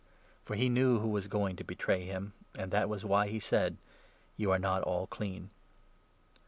For he knew who was going to betray him, and that u was why he said 'You are not all clean.'